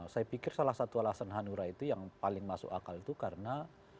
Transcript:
saya pikir salah satu alasan hanura itu yang paling masuk akal itu karena